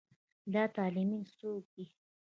دا طالېمن څوک دی.